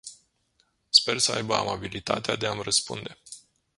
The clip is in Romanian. Sper să aibă amabilitatea de a-mi răspunde.